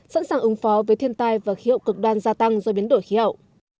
sẵn sàng ứng phó với thiên tai và khí hậu cực đoan gia tăng do biến đổi khí hậu